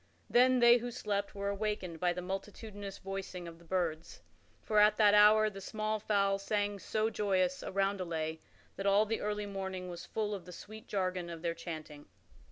Then they who slept were awakened by the multitudinous voicing of the birds; for at that hour the small fowl sang so joyous a roundelay that all the early morning was full of the sweet jargon of their chanting.